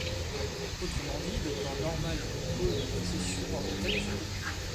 Autrement dit, le plan normal au pôle de précession orbitale du satellite.